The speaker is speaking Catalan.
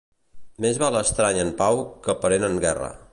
Més val estrany en pau que parent en guerra.